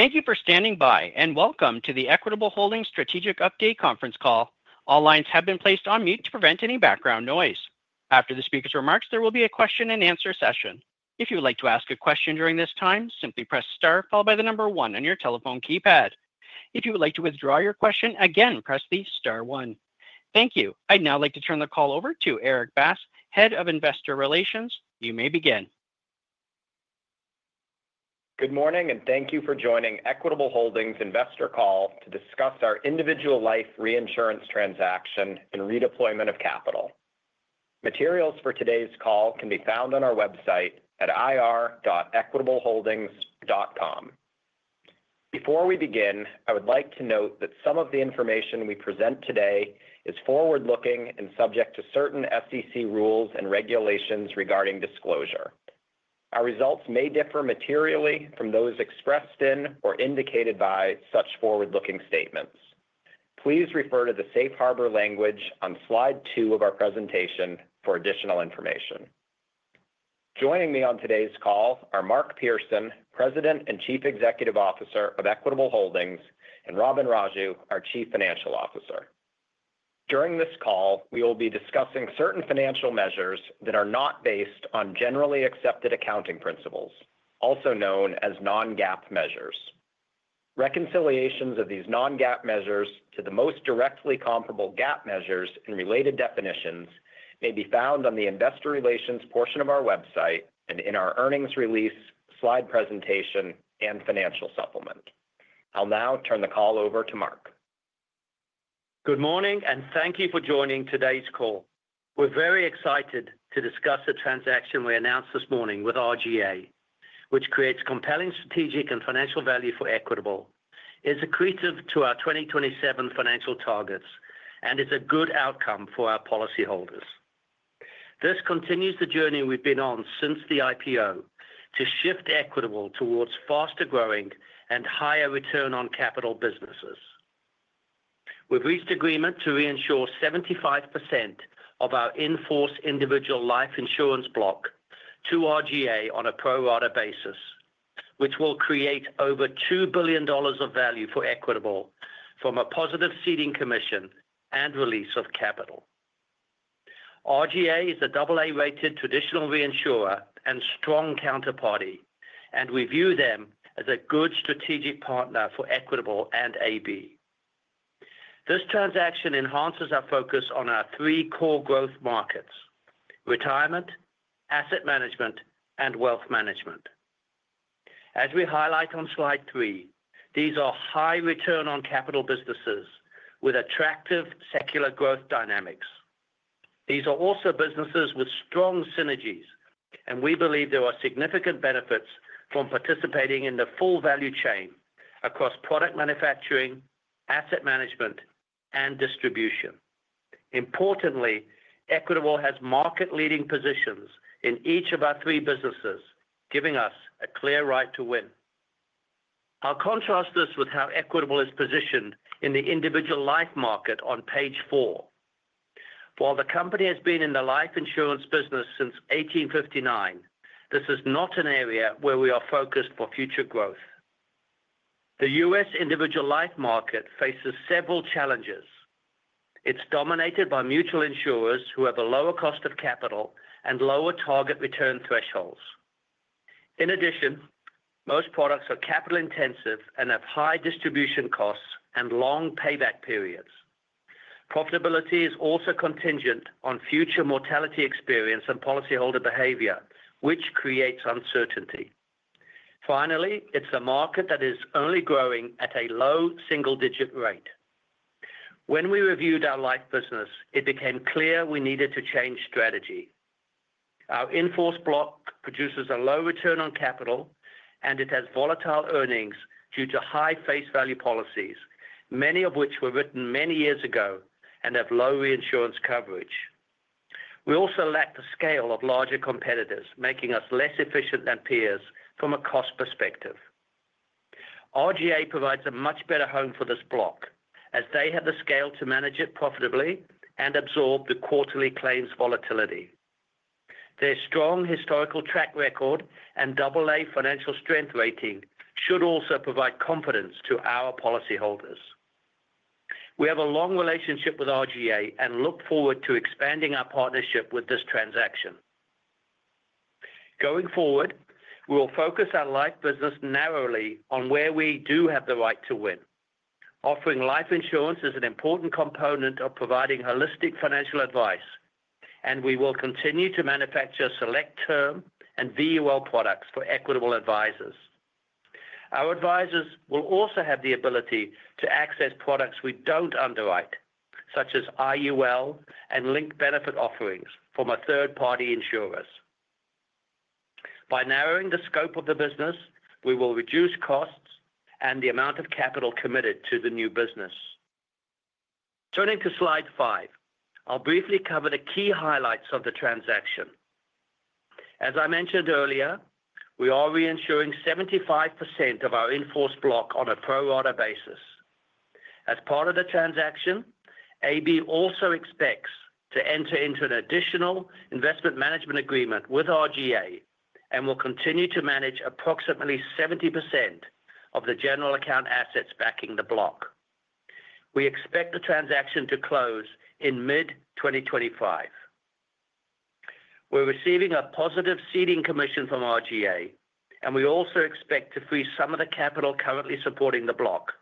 Thank you for standing by, and welcome to the Equitable Holdings Strategic Update Conference Call. All lines have been placed on mute to prevent any background noise. After the speaker's remarks, there will be a question-and-answer session. If you would like to ask a question during this time, simply press star followed by the number one on your telephone keypad. If you would like to withdraw your question, again, press the star one. Thank you. I'd now like to turn the call over to Erik Bass, Head of Investor Relations. You may begin. Good morning, and thank you for joining Equitable Holdings Investor Call to discuss our individual life reinsurance transaction and redeployment of capital. Materials for today's call can be found on our website at ir.equitableholdings.com. Before we begin, I would like to note that some of the information we present today is forward-looking and subject to certain SEC rules and regulations regarding disclosure. Our results may differ materially from those expressed in or indicated by such forward-looking statements. Please refer to the safe harbor language on slide two of our presentation for additional information. Joining me on today's call are Mark Pearson, President and Chief Executive Officer of Equitable Holdings, and Robin Raju, our Chief Financial Officer. During this call, we will be discussing certain financial measures that are not based on generally accepted accounting principles, also known as non-GAAP measures. Reconciliations of these non-GAAP measures to the most directly comparable GAAP measures in related definitions may be found on the Investor Relations portion of our website and in our earnings release, slide presentation, and financial supplement. I'll now turn the call over to Mark. Good morning, and thank you for joining today's call. We're very excited to discuss the transaction we announced this morning with RGA, which creates compelling strategic and financial value for Equitable, is accretive to our 2027 financial targets, and is a good outcome for our policyholders. This continues the journey we've been on since the IPO to shift Equitable towards faster-growing and higher return-on-capital businesses. We've reached agreement to reinsure 75% of our in-force individual life insurance block to RGA on a pro-rata basis, which will create over $2 billion of value for Equitable from a positive ceding commission and release of capital. RGA is a AA-rated traditional reinsurer and strong counterparty, and we view them as a good strategic partner for Equitable and AB. This transaction enhances our focus on our three core growth markets: Retirement, Asset Management, and Wealth Management. As we highlight on slide three, these are high return-on-capital businesses with attractive secular growth dynamics. These are also businesses with strong synergies, and we believe there are significant benefits from participating in the full value chain across product manufacturing, asset management, and distribution. Importantly, Equitable has market-leading positions in each of our three businesses, giving us a clear right to win. I'll contrast this with how Equitable is positioned in the individual life market on page four. While the company has been in the life insurance business since 1859, this is not an area where we are focused for future growth. The U.S. individual life market faces several challenges. It's dominated by mutual insurers who have a lower cost of capital and lower target return thresholds. In addition, most products are capital-intensive and have high distribution costs and long payback periods. Profitability is also contingent on future mortality experience and policyholder behavior, which creates uncertainty. Finally, it's a market that is only growing at a low single-digit rate. When we reviewed our life business, it became clear we needed to change strategy. Our in-force block produces a low return on capital, and it has volatile earnings due to high face value policies, many of which were written many years ago and have low reinsurance coverage. We also lack the scale of larger competitors, making us less efficient than peers from a cost perspective. RGA provides a much better home for this block, as they have the scale to manage it profitably and absorb the quarterly claims volatility. Their strong historical track record and AA financial strength rating should also provide confidence to our policyholders. We have a long relationship with RGA and look forward to expanding our partnership with this transaction. Going forward, we will focus our life business narrowly on where we do have the right to win. Offering life insurance is an important component of providing holistic financial advice, and we will continue to manufacture select term and VUL products for Equitable Advisors. Our advisors will also have the ability to access products we don't underwrite, such as IUL and linked benefit offerings from a third-party insurer. By narrowing the scope of the business, we will reduce costs and the amount of capital committed to the new business. Turning to slide five, I'll briefly cover the key highlights of the transaction. As I mentioned earlier, we are reinsuring 75% of our in-force block on a pro-rata basis. As part of the transaction, AB also expects to enter into an additional investment management agreement with RGA and will continue to manage approximately 70% of the general account assets backing the block. We expect the transaction to close in mid-2025. We're receiving a positive ceding commission from RGA, and we also expect to freeze some of the capital currently supporting the block.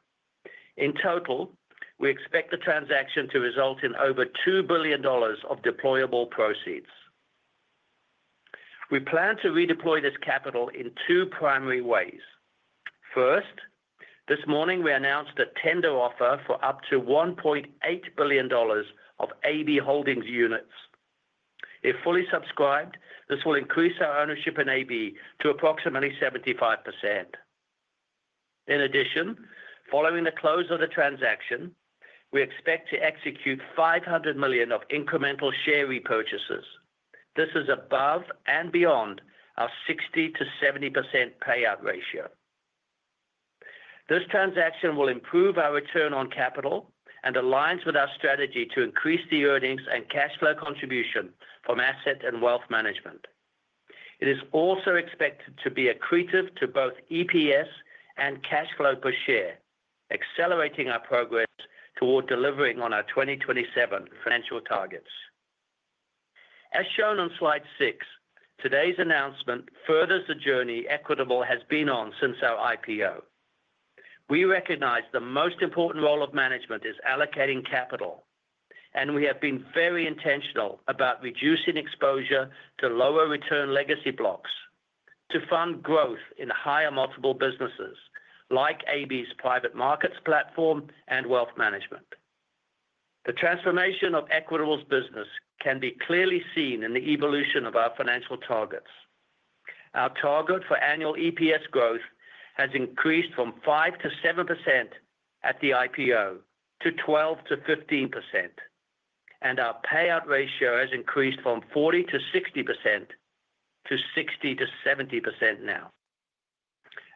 In total, we expect the transaction to result in over $2 billion of deployable proceeds. We plan to redeploy this capital in two primary ways. First, this morning we announced a tender offer for up to $1.8 billion of AB Holdings units. If fully subscribed, this will increase our ownership in AB to approximately 75%. In addition, following the close of the transaction, we expect to execute $500 million of incremental share repurchases. This is above and beyond our 60%-70% payout ratio. This transaction will improve our return on capital and aligns with our strategy to increase the earnings and cash flow contribution from asset and wealth management. It is also expected to be accretive to both EPS and cash flow per share, accelerating our progress toward delivering on our 2027 financial targets. As shown on slide six, today's announcement furthers the journey Equitable has been on since our IPO. We recognize the most important role of management is allocating capital, and we have been very intentional about reducing exposure to lower return legacy blocks to fund growth in higher multiple businesses like AB's private markets platform and wealth management. The transformation of Equitable's business can be clearly seen in the evolution of our financial targets. Our target for annual EPS growth has increased from 5%-7% at the IPO to 12%-15%, and our payout ratio has increased from 40%-60% to 60%-70% now.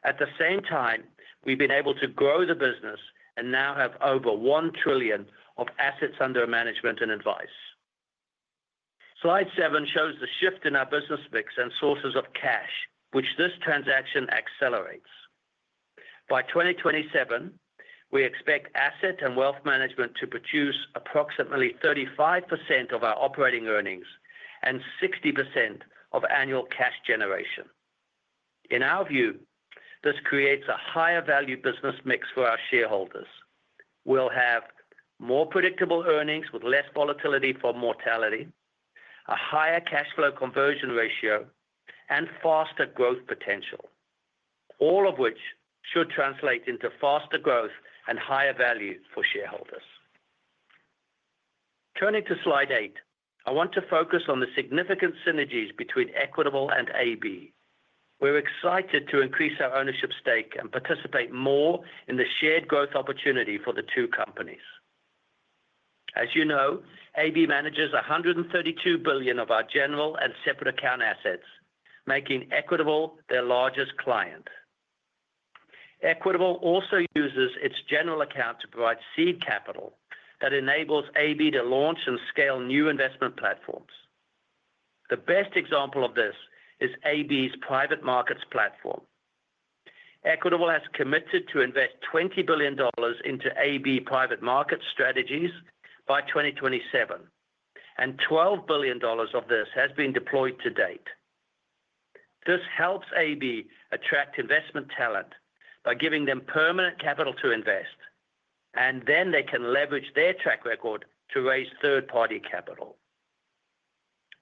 At the same time, we've been able to grow the business and now have over $1 trillion of assets under management and advice. Slide seven shows the shift in our business mix and sources of cash, which this transaction accelerates. By 2027, we expect asset and wealth management to produce approximately 35% of our operating earnings and 60% of annual cash generation. In our view, this creates a higher value business mix for our shareholders. We'll have more predictable earnings with less volatility from mortality, a higher cash flow conversion ratio, and faster growth potential, all of which should translate into faster growth and higher value for shareholders. Turning to slide eight, I want to focus on the significant synergies between Equitable and AB. We're excited to increase our ownership stake and participate more in the shared growth opportunity for the two companies. As you know, AB manages $132 billion of our general and separate account assets, making Equitable their largest client. Equitable also uses its general account to provide seed capital that enables AB to launch and scale new investment platforms. The best example of this is AB's private markets platform. Equitable has committed to invest $20 billion into AB private markets strategies by 2027, and $12 billion of this has been deployed to date. This helps AB attract investment talent by giving them permanent capital to invest, and then they can leverage their track record to raise third-party capital.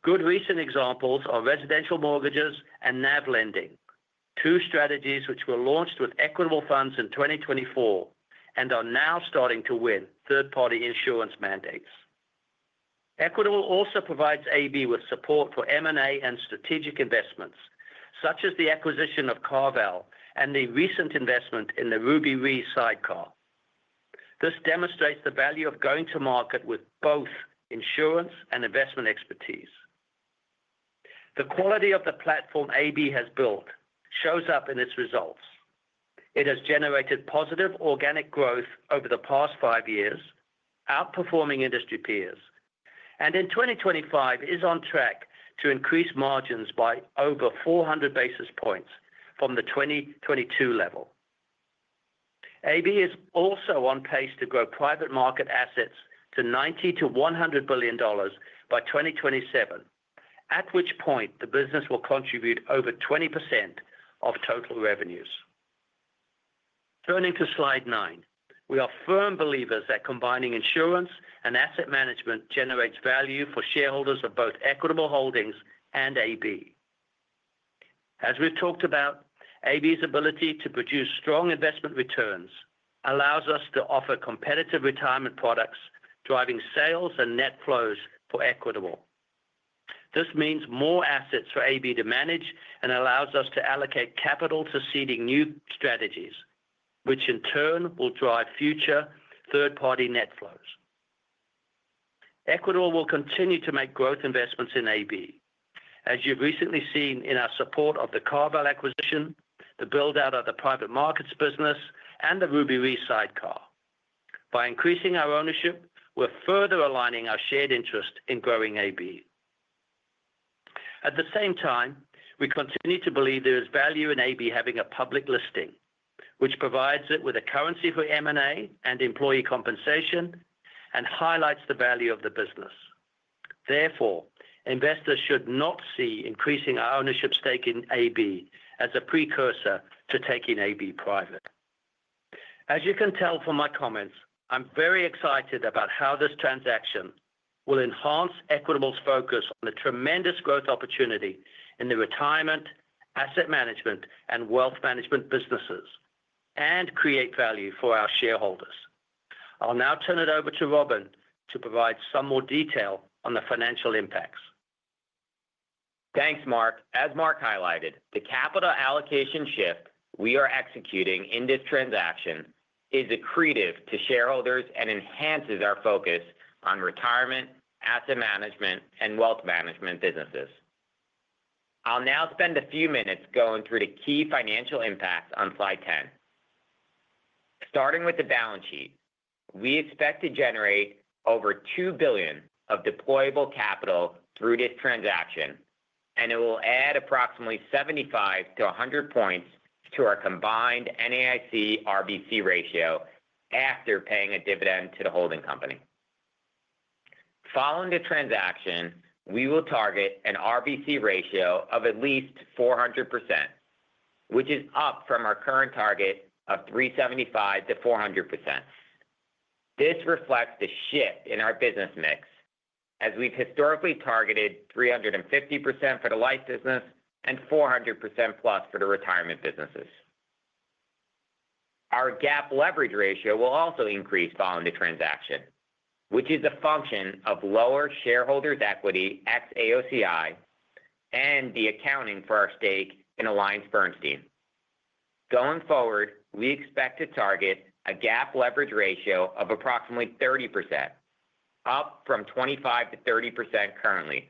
Good recent examples are residential mortgages and NAV lending, two strategies which were launched with Equitable funds in 2024 and are now starting to win third-party insurance mandates. Equitable also provides AB with support for M&A and strategic investments, such as the acquisition of CarVal and the recent investment in the Ruby Re sidecar. This demonstrates the value of going to market with both insurance and investment expertise. The quality of the platform AB has built shows up in its results. It has generated positive organic growth over the past five years, outperforming industry peers, and in 2025 is on track to increase margins by over 400 basis points from the 2022 level. AB is also on pace to grow private market assets to $90 billion-$100 billion by 2027, at which point the business will contribute over 20% of total revenues. Turning to slide nine, we are firm believers that combining insurance and asset management generates value for shareholders of both Equitable Holdings and AB. As we've talked about, AB's ability to produce strong investment returns allows us to offer competitive retirement products, driving sales and net flows for Equitable. This means more assets for AB to manage and allows us to allocate capital to seeding new strategies, which in turn will drive future third-party net flows. Equitable will continue to make growth investments in AB, as you've recently seen in our support of the CarVal acquisition, the build-out of the private markets business, and the Ruby Re sidecar. By increasing our ownership, we're further aligning our shared interest in growing AB. At the same time, we continue to believe there is value in AB having a public listing, which provides it with a currency for M&A and employee compensation and highlights the value of the business. Therefore, investors should not see increasing our ownership stake in AB as a precursor to taking AB private. As you can tell from my comments, I'm very excited about how this transaction will enhance Equitable's focus on the tremendous growth opportunity in the retirement, asset management, and wealth management businesses and create value for our shareholders. I'll now turn it over to Robin to provide some more detail on the financial impacts. Thanks, Mark. As Mark highlighted, the capital allocation shift we are executing in this transaction is accretive to shareholders and enhances our focus on retirement, asset management, and wealth management businesses. I'll now spend a few minutes going through the key financial impacts on slide 10. Starting with the balance sheet, we expect to generate over $2 billion of deployable capital through this transaction, and it will add approximately 75 points-100 points to our combined NAIC-RBC ratio after paying a dividend to the holding company. Following the transaction, we will target an RBC ratio of at least 400%, which is up from our current target of 375%-400%. This reflects the shift in our business mix, as we've historically targeted 350% for the life business and 400%+ for the retirement businesses. Our GAAP leverage ratio will also increase following the transaction, which is a function of lower shareholders' equity ex AOCI and the accounting for our stake in AllianceBernstein. Going forward, we expect to target a GAAP leverage ratio of approximately 30%, up from 25%-30% currently.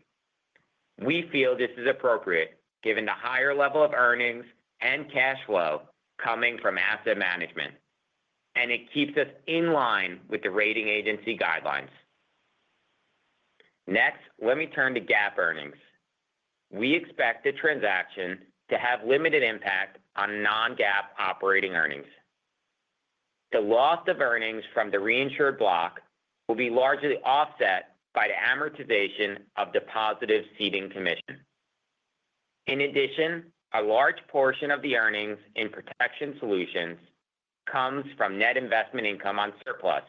We feel this is appropriate given the higher level of earnings and cash flow coming from Asset Management, and it keeps us in line with the rating agency guidelines. Next, let me turn to GAAP earnings. We expect the transaction to have limited impact on non-GAAP operating earnings. The loss of earnings from the reinsured block will be largely offset by the amortization of the positive ceding commission. In addition, a large portion of the earnings in Protection Solutions comes from net investment income on surplus,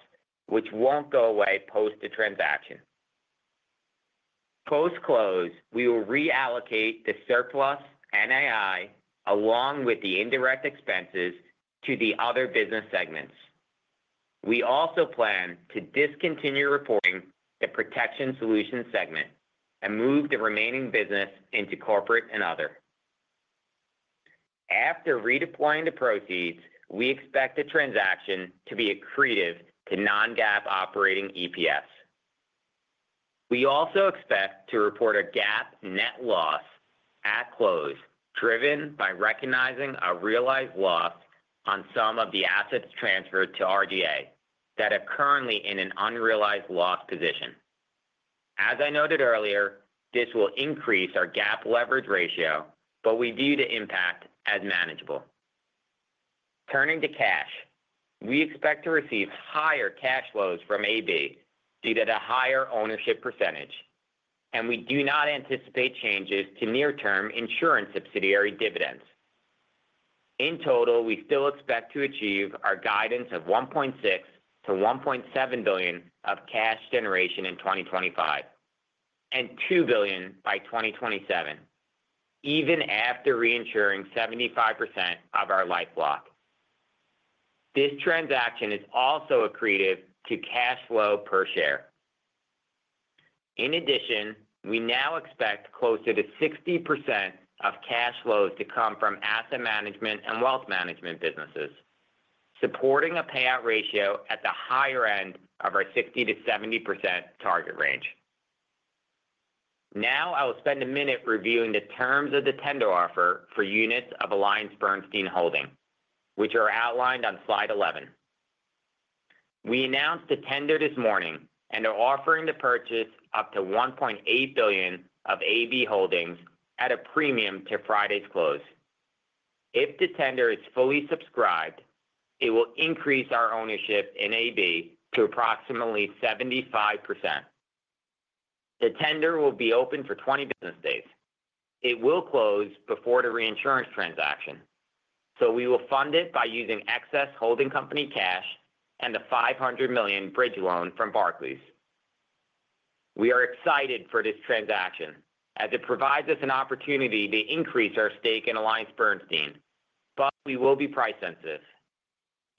which won't go away post the transaction. Post-close, we will reallocate the surplus NII along with the indirect expenses to the other business segments. We also plan to discontinue reporting the Protection Solutions segment and move the remaining business into Corporate and Other. After redeploying the proceeds, we expect the transaction to be accretive to non-GAAP operating EPS. We also expect to report a GAAP net loss at close driven by recognizing a realized loss on some of the assets transferred to RGA that are currently in an unrealized loss position. As I noted earlier, this will increase our GAAP leverage ratio, but we view the impact as manageable. Turning to cash, we expect to receive higher cash flows from AB due to the higher ownership percentage, and we do not anticipate changes to near-term insurance subsidiary dividends. In total, we still expect to achieve our guidance of $1.6 billion-$1.7 billion of cash generation in 2025 and $2 billion by 2027, even after reinsuring 75% of our life block. This transaction is also accretive to cash flow per share. In addition, we now expect closer to 60% of cash flows to come from asset management and wealth management businesses, supporting a payout ratio at the higher end of our 60%-70% target range. Now I will spend a minute reviewing the terms of the tender offer for units of AllianceBernstein Holding, which are outlined on slide 11. We announced the tender this morning and are offering the purchase up to $1.8 billion of AB Holdings at a premium to Friday's close. If the tender is fully subscribed, it will increase our ownership in AB to approximately 75%. The tender will be open for 20 business days. It will close before the reinsurance transaction, so we will fund it by using excess holding company cash and the $500 million bridge loan from Barclays. We are excited for this transaction as it provides us an opportunity to increase our stake in AllianceBernstein, but we will be price sensitive.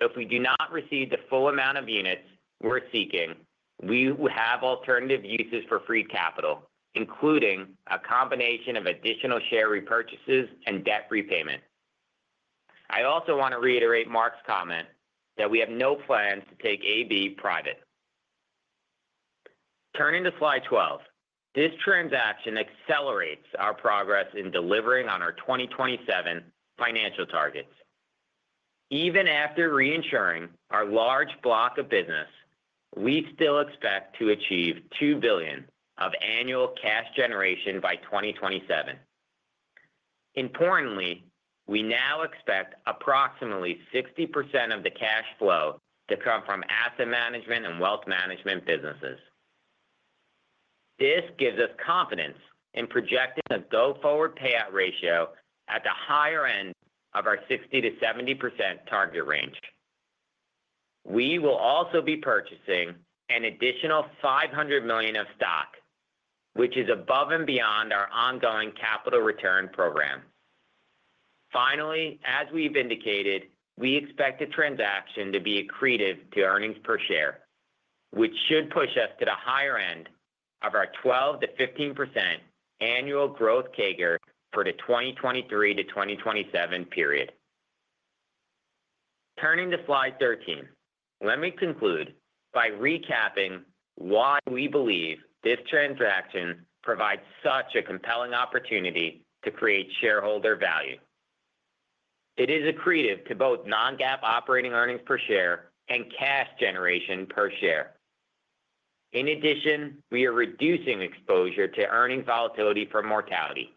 If we do not receive the full amount of units we're seeking, we will have alternative uses for free capital, including a combination of additional share repurchases and debt repayment. I also want to reiterate Mark's comment that we have no plans to take AB private. Turning to slide 12, this transaction accelerates our progress in delivering on our 2027 financial targets. Even after reinsuring our large block of business, we still expect to achieve $2 billion of annual cash generation by 2027. Importantly, we now expect approximately 60% of the cash flow to come from asset management and wealth management businesses. This gives us confidence in projecting a go-forward payout ratio at the higher end of our 60%-70% target range. We will also be purchasing an additional $500 million of stock, which is above and beyond our ongoing capital return program. Finally, as we've indicated, we expect the transaction to be accretive to earnings per share, which should push us to the higher end of our 12%-15% annual growth CAGR for the 2023 to 2027 period. Turning to slide 13, let me conclude by recapping why we believe this transaction provides such a compelling opportunity to create shareholder value. It is accretive to both non-GAAP operating earnings per share and cash generation per share. In addition, we are reducing exposure to earnings volatility from mortality,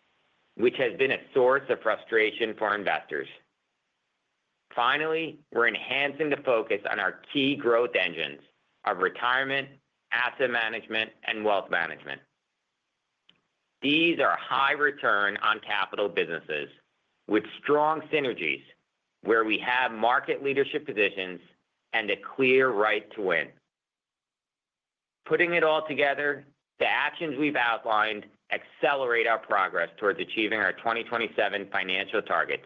which has been a source of frustration for investors. Finally, we're enhancing the focus on our key growth engines of retirement, asset management, and wealth management. These are high-return on capital businesses with strong synergies, where we have market leadership positions and a clear right to win. Putting it all together, the actions we've outlined accelerate our progress towards achieving our 2027 financial targets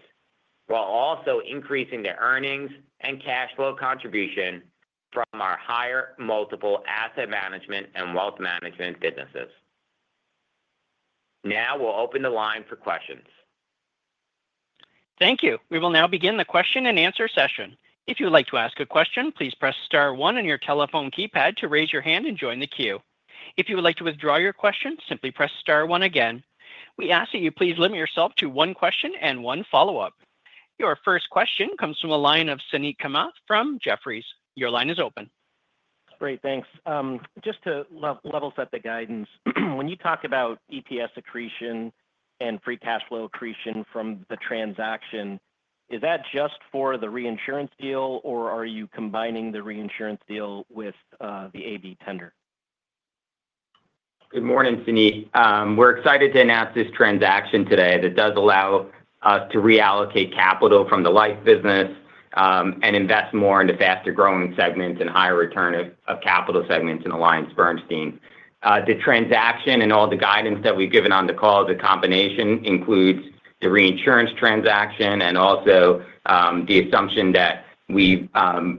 while also increasing the earnings and cash flow contribution from our higher multiple asset management and wealth management businesses. Now we'll open the line for questions. Thank you. We will now begin the question and answer session. If you'd like to ask a question, please press star one on your telephone keypad to raise your hand and join the queue. If you would like to withdraw your question, simply press star one again. We ask that you please limit yourself to one question and one follow-up. Your first question comes from Suneet Kamath from Jefferies. Your line is open. Great. Thanks. Just to level set the guidance, when you talk about EPS accretion and free cash flow accretion from the transaction, is that just for the reinsurance deal, or are you combining the reinsurance deal with the AB tender? Good morning, Suneet. We're excited to announce this transaction today that does allow us to reallocate capital from the life business and invest more in the faster-growing segment and higher return of capital segments in AllianceBernstein. The transaction and all the guidance that we've given on the call, the combination includes the reinsurance transaction and also the assumption that we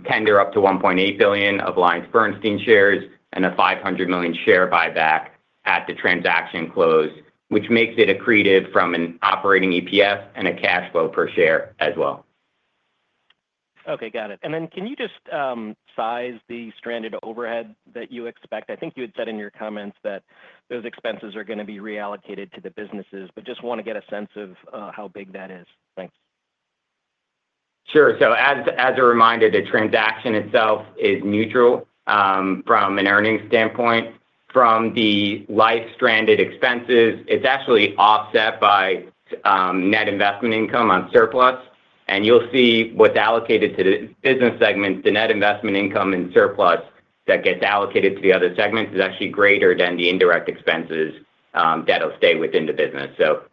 tender up to $1.8 billion of AllianceBernstein shares and a $500 million share buyback at the transaction close, which makes it accretive from an operating EPS and a cash flow per share as well. Okay. Got it. And then can you just size the stranded overhead that you expect? I think you had said in your comments that those expenses are going to be reallocated to the businesses, but just want to get a sense of how big that is. Thanks. Sure. So as a reminder, the transaction itself is neutral from an earnings standpoint. From the life stranded expenses, it's actually offset by net investment income on surplus. And you'll see what's allocated to the business segments, the net investment income and surplus that gets allocated to the other segments is actually greater than the indirect expenses that'll stay within the business. So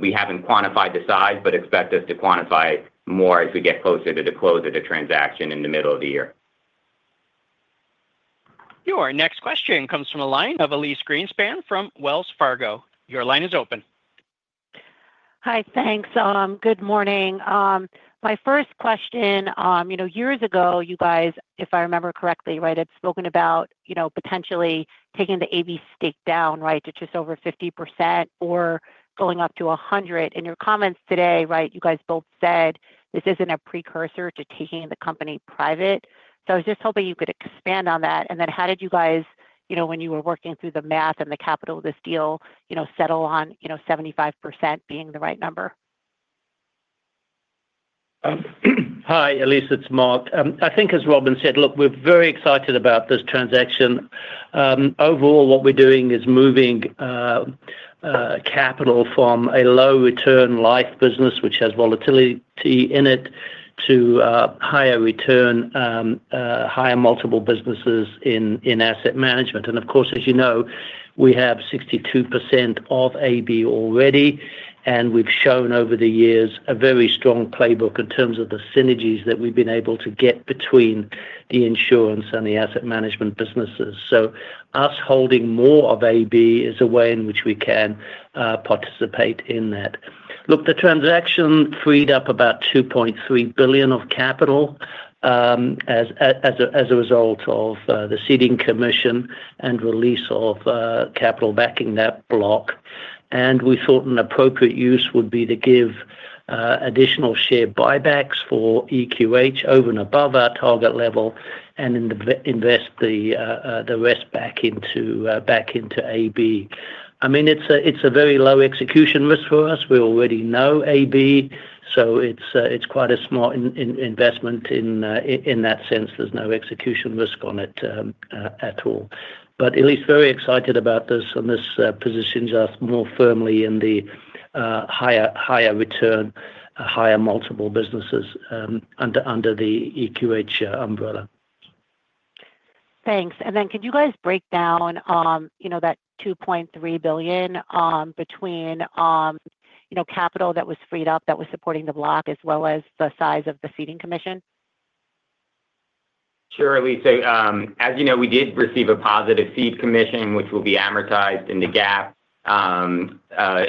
we haven't quantified the size, but expect us to quantify more as we get closer to the close of the transaction in the middle of the year. Your next question comes from Elyse Greenspan from Wells Fargo. Your line is open. Hi. Thanks. Good morning. My first question, years ago, you guys, if I remember correctly, had spoken about potentially taking the AB stake down to just over 50% or going up to 100%. In your comments today, you guys both said this isn't a precursor to taking the company private. So I was just hoping you could expand on that. And then how did you guys, when you were working through the math and the capital of this deal, settle on 75% being the right number? Hi, Elyse. It's Mark. I think, as Robin said, look, we're very excited about this transaction. Overall, what we're doing is moving capital from a low-return life business, which has volatility in it, to higher return, higher multiple businesses in asset management. And of course, as you know, we have 62% of AB already, and we've shown over the years a very strong playbook in terms of the synergies that we've been able to get between the insurance and the asset management businesses. So us holding more of AB is a way in which we can participate in that. Look, the transaction freed up about $2.3 billion of capital as a result of the ceding commission and release of capital backing that block. And we thought an appropriate use would be to give additional share buybacks for EQH over and above our target level and invest the rest back into AB. I mean, it's a very low execution risk for us. We already know AB, so it's quite a smart investment in that sense. There's no execution risk on it at all. But Elyse is very excited about this, and this positions us more firmly in the higher return, higher multiple businesses under the EQH umbrella. Thanks. And then could you guys break down that $2.3 billion between capital that was freed up that was supporting the block as well as the size of the ceding commission? Sure. As you know, we did receive a positive ceding commission, which will be amortized in the GAAP.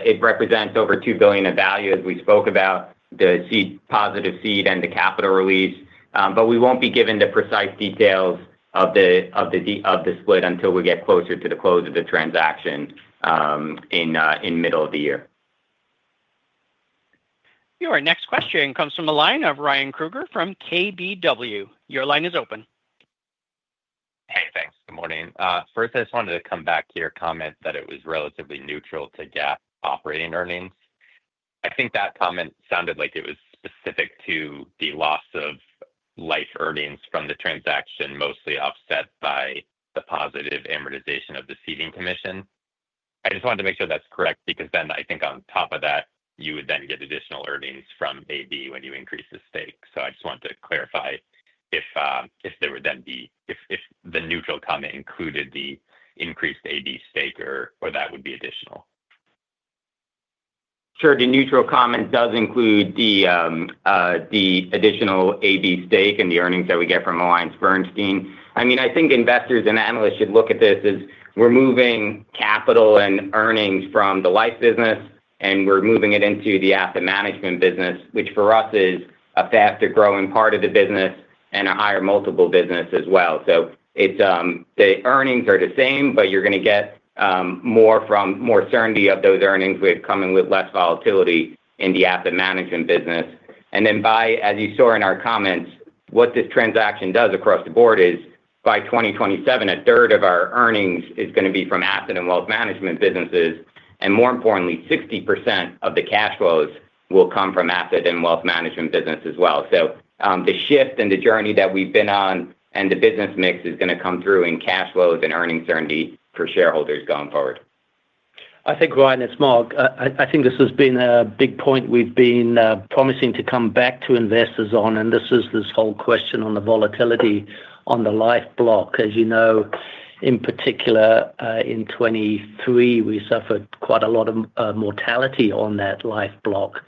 It represents over $2 billion of value, as we spoke about, the positive ceding and the capital release. But we won't be given the precise details of the split until we get closer to the close of the transaction in the middle of the year. Your next question comes from the line of Ryan Krueger from KBW. Your line is open. Hey, thanks. Good morning. First, I just wanted to come back to your comment that it was relatively neutral to GAAP operating earnings. I think that comment sounded like it was specific to the loss of life earnings from the transaction, mostly offset by the positive amortization of the ceding commission. I just wanted to make sure that's correct because then I think on top of that, you would then get additional earnings from AB when you increase the stake. So I just wanted to clarify if there would then be if the neutral comment included the increased AB stake or that would be additional? Sure. The neutral comment does include the additional AB stake and the earnings that we get from AllianceBernstein. I mean, I think investors and analysts should look at this as we're moving capital and earnings from the life business, and we're moving it into the asset management business, which for us is a faster-growing part of the business and a higher multiple business as well. So the earnings are the same, but you're going to get more from more certainty of those earnings with coming with less volatility in the asset management business. And then by, as you saw in our comments, what this transaction does across the board is by 2027, a third of our earnings is going to be from asset and wealth management businesses. And more importantly, 60% of the cash flows will come from asset and wealth management business as well. The shift and the journey that we've been on and the business mix is going to come through in cash flows and earnings certainty for shareholders going forward. Hi Ryan, it's Mark. I think this has been a big point we've been promising to come back to investors on, and this is this whole question on the volatility on the life block. As you know, in particular, in 2023, we suffered quite a lot of mortality on that life block.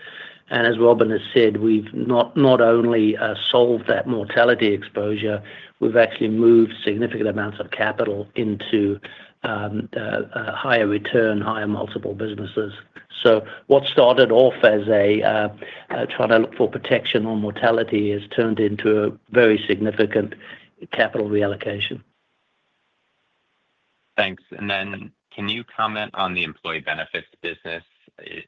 And as Robin has said, we've not only solved that mortality exposure, we've actually moved significant amounts of capital into higher return, higher multiple businesses. So what started off as trying to look for protection on mortality has turned into a very significant capital reallocation. Thanks. And then can you comment on the employee benefits business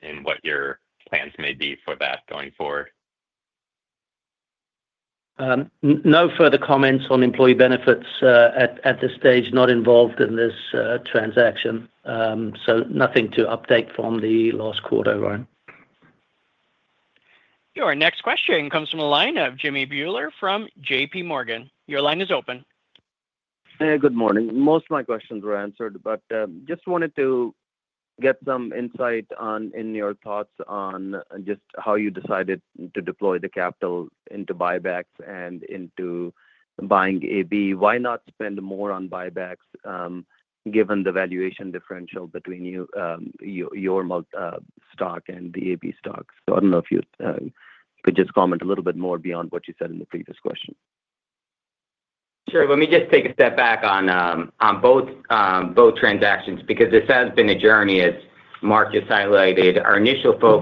and what your plans may be for that going forward? No further comments on employee benefits at this stage. Not involved in this transaction. So nothing to update from the last quarter, Ryan. Your next question comes from the line of Jimmy Bhullar from JPMorgan. Your line is open. Hey, good morning. Most of my questions were answered, but just wanted to get some insight on in your thoughts on just how you decided to deploy the capital into buybacks and into buying AB. Why not spend more on buybacks given the valuation differential between your stock and the AB stock? So I don't know if you could just comment a little bit more beyond what you said in the previous question? Sure. Let me just take a step back on both transactions because this has been a journey, as Mark just highlighted. Our initial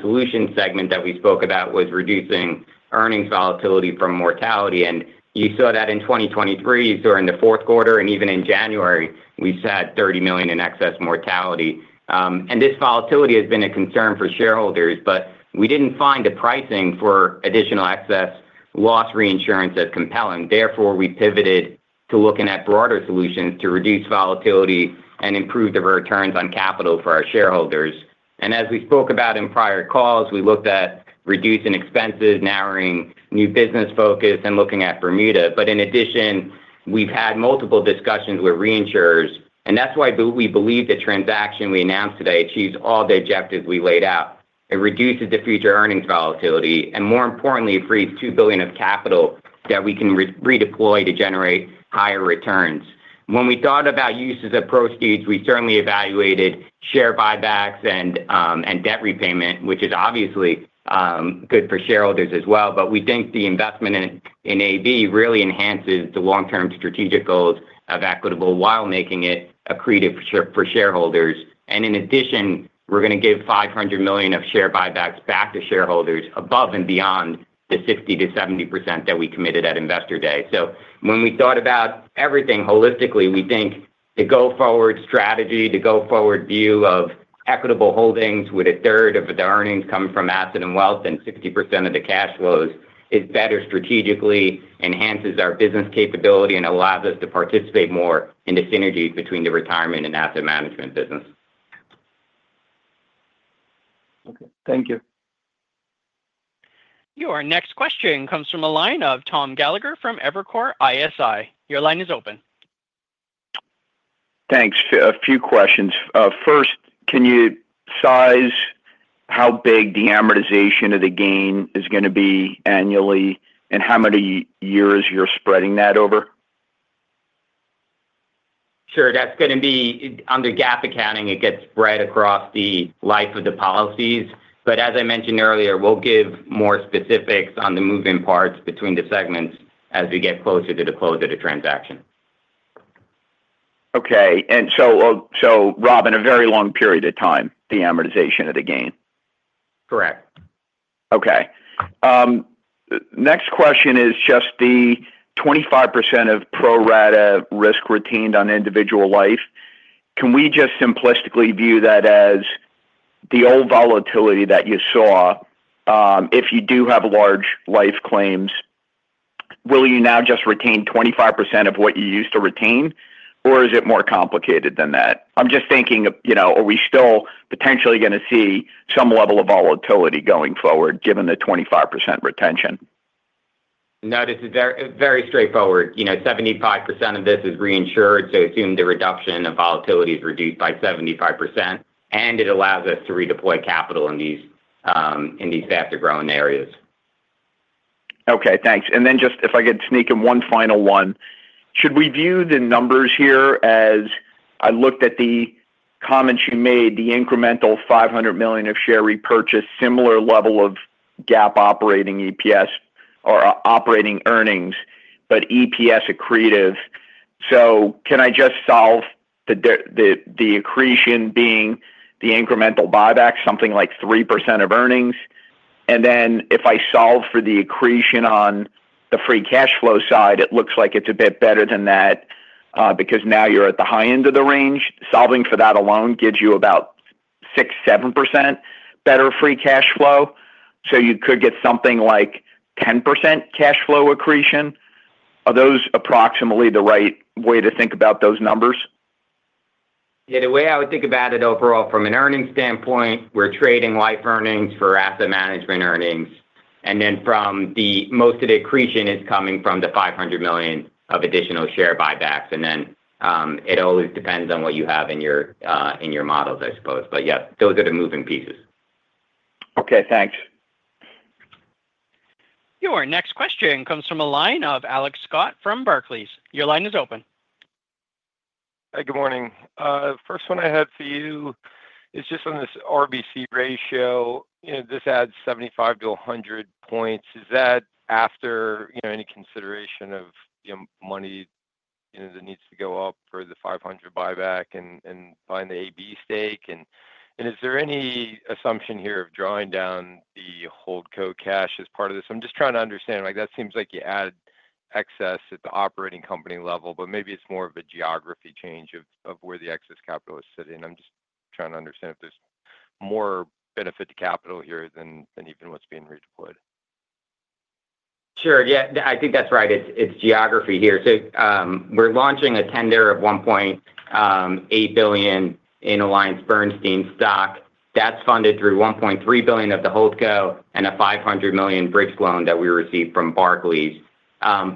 solution segment that we spoke about was reducing earnings volatility from mortality. You saw that in 2023, so in the fourth quarter, and even in January, we had $30 million in excess mortality. This volatility has been a concern for shareholders, but we didn't find the pricing for additional excess loss reinsurance as compelling. Therefore, we pivoted to looking at broader solutions to reduce volatility and improve the returns on capital for our shareholders. As we spoke about in prior calls, we looked at reducing expenses, narrowing new business focus, and looking at Bermuda. In addition, we've had multiple discussions with reinsurers. That's why we believe the transaction we announced today achieves all the objectives we laid out. It reduces the future earnings volatility. More importantly, it frees $2 billion of capital that we can redeploy to generate higher returns. When we thought about uses of proceeds, we certainly evaluated share buybacks and debt repayment, which is obviously good for shareholders as well. But we think the investment in AB really enhances the long-term strategic goals of Equitable while making it accretive for shareholders. And in addition, we're going to give $500 million of share buybacks back to shareholders above and beyond the 60%-70% that we committed at Investor Day. So when we thought about everything holistically, we think the go-forward strategy, the go-forward view of Equitable Holdings with a third of the earnings coming from asset and wealth and 60% of the cash flows is better strategically, enhances our business capability, and allows us to participate more in the synergy between the retirement and asset management business. Okay. Thank you. Your next question comes from the line of Thomas Gallagher from Evercore ISI. Your line is open. Thanks. A few questions. First, can you size how big the amortization of the gain is going to be annually and how many years you're spreading that over? Sure. That's going to be under GAAP accounting. It gets spread across the life of the policies. But as I mentioned earlier, we'll give more specifics on the moving parts between the segments as we get closer to the close of the transaction. Okay. And so, Robin, a very long period of time, the amortization of the gain? Correct. Okay. Next question is just the 25% of pro-rata risk retained on individual life. Can we just simplistically view that as the old volatility that you saw? If you do have large life claims, will you now just retain 25% of what you used to retain, or is it more complicated than that? I'm just thinking, are we still potentially going to see some level of volatility going forward given the 25% retention? No, this is very straightforward. 75% of this is reinsured, so assume the reduction of volatility is reduced by 75%, and it allows us to redeploy capital in these faster-growing areas. Okay. Thanks. And then just if I could sneak in one final one, should we view the numbers here as I looked at the comments you made, the incremental $500 million of share repurchase, similar level of GAAP operating EPS or operating earnings, but EPS accretive? So can I just solve the accretion being the incremental buyback, something like 3% of earnings? And then if I solve for the accretion on the free cash flow side, it looks like it's a bit better than that because now you're at the high end of the range. Solving for that alone gives you about 6%-7% better free cash flow. So you could get something like 10% cash flow accretion. Are those approximately the right way to think about those numbers? Yeah. The way I would think about it overall, from an earnings standpoint, we're trading life earnings for asset management earnings. And then from the most of the accretion is coming from the $500 million of additional share buybacks. And then it always depends on what you have in your models, I suppose. But yeah, those are the moving pieces. Okay. Thanks. Your next question comes from the line of Alex Scott from Barclays. Your line is open. Hey, good morning. First one I had for you is just on this RBC ratio. This adds 75 points-100 points. Is that after any consideration of money that needs to go up for the $500 million buyback and buying the AB stake? And is there any assumption here of drawing down the holdco cash as part of this? I'm just trying to understand. That seems like you add excess at the operating company level, but maybe it's more of a geography change of where the excess capital is sitting. I'm just trying to understand if there's more benefit to capital here than even what's being redeployed. Sure. Yeah. I think that's right. It's geography here. So we're launching a tender of $1.8 billion in AllianceBernstein stock. That's funded through $1.3 billion of the holdco cash and a $500 million bridge loan that we received from Barclays.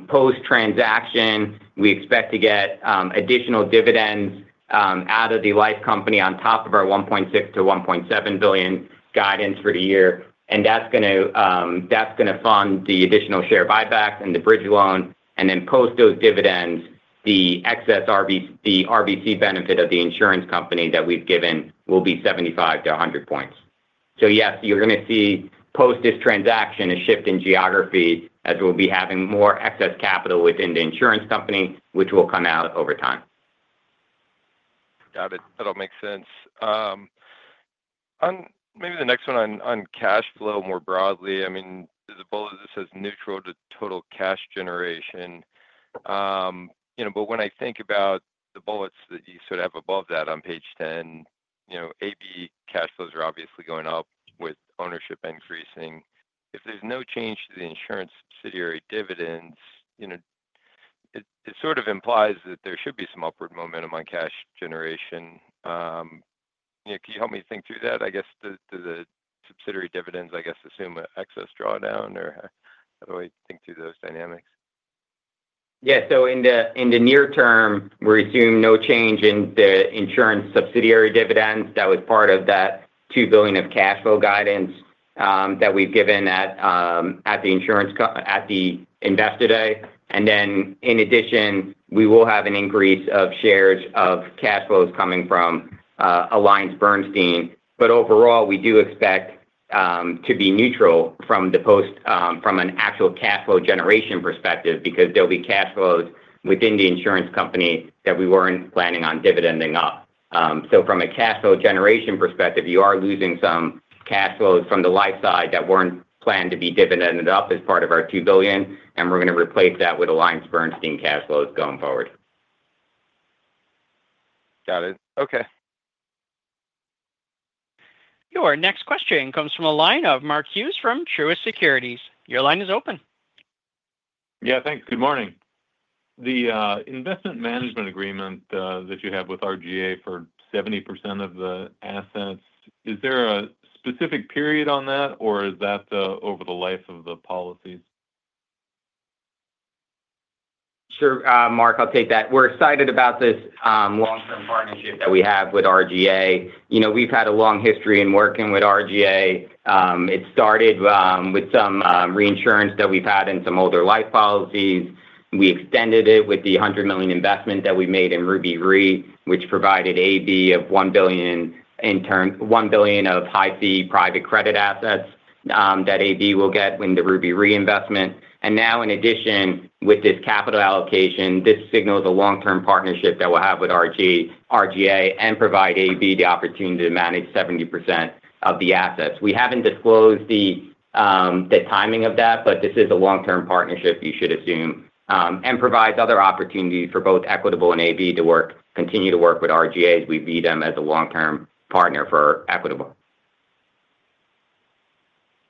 Post-transaction, we expect to get additional dividends out of the life company on top of our $1.6 billion-$1.7 billion guidance for the year. And that's going to fund the additional share buyback and the bridge loan. And then post those dividends, the excess RBC benefit of the insurance company that we've given will be 75 points-100 points. So yes, you're going to see post this transaction a shift in geography as we'll be having more excess capital within the insurance company, which will come out over time. Got it. That all makes sense. Maybe the next one on cash flow more broadly. I mean, the bullet that says neutral to total cash generation. But when I think about the bullets that you sort of have above that on page 10, AB cash flows are obviously going up with ownership increasing. If there's no change to the insurance subsidiary dividends, it sort of implies that there should be some upward momentum on cash generation. Can you help me think through that? I guess the subsidiary dividends, I guess, assume an excess drawdown, or how do I think through those dynamics? Yeah. So in the near term, we're assuming no change in the insurance subsidiary dividends. That was part of that $2 billion of cash flow guidance that we've given at the Investor Day. And then in addition, we will have an increase of shares of cash flows coming from AllianceBernstein. But overall, we do expect to be neutral from an actual cash flow generation perspective because there'll be cash flows within the insurance company that we weren't planning on dividending up. So from a cash flow generation perspective, you are losing some cash flows from the life side that weren't planned to be dividending up as part of our $2 billion. And we're going to replace that with AllianceBernstein cash flows going forward. Got it. Okay. Your next question comes from line of Mark Hughes from Truist Securities. Your line is open. Yeah. Thanks. Good morning. The investment management agreement that you have with RGA for 70% of the assets, is there a specific period on that, or is that over the life of the policies? Sure, Mark. I'll take that. We're excited about this long-term partnership that we have with RGA. We've had a long history in working with RGA. It started with some reinsurance that we've had in some older life policies. We extended it with the $100 million investment that we made in Ruby Re, which provided AB of $1 billion of high-fee private credit assets that AB will get when the Ruby Re investment. And now, in addition, with this capital allocation, this signals a long-term partnership that we'll have with RGA and provide AB the opportunity to manage 70% of the assets. We haven't disclosed the timing of that, but this is a long-term partnership you should assume and provides other opportunities for both Equitable and AB to continue to work with RGA as we view them as a long-term partner for Equitable.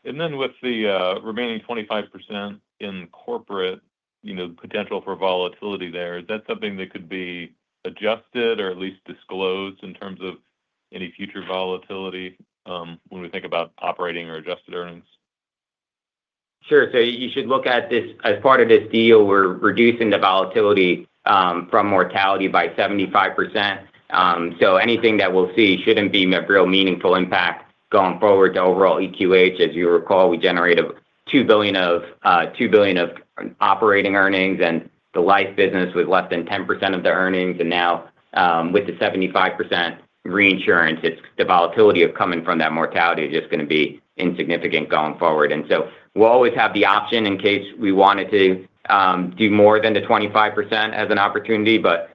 And then with the remaining 25% in corporate, potential for volatility there, is that something that could be adjusted or at least disclosed in terms of any future volatility when we think about operating or adjusted earnings? Sure. So you should look at this as part of this deal. We're reducing the volatility from mortality by 75%. So anything that we'll see shouldn't be a real meaningful impact going forward to overall EQH. As you recall, we generated $2 billion of operating earnings and the life business with less than 10% of the earnings, and now, with the 75% reinsurance, the volatility coming from that mortality is just going to be insignificant going forward, and so we'll always have the option in case we wanted to do more than the 25% as an opportunity, but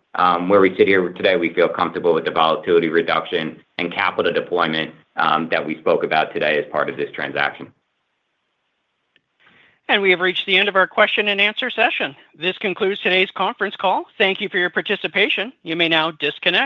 where we sit here today, we feel comfortable with the volatility reduction and capital deployment that we spoke about today as part of this transaction, And we have reached the end of our question and answer session. This concludes today's conference call. Thank you for your participation. You may now disconnect.